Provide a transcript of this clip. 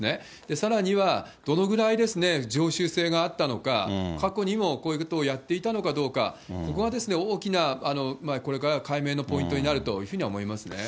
さらには、どのぐらい常習性があったのか、過去にもこういうことをやっていたのかどうか、ここが大きな、これから解明のポイントになるというふうに思いますね。